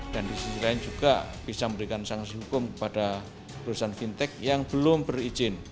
dan di sisi lain juga bisa memberikan sanksi hukum kepada perusahaan fintech yang belum berizin